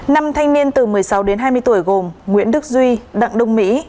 năm thanh niên từ một mươi sáu đến hai mươi tuổi gồm nguyễn đức duy đặng đông mỹ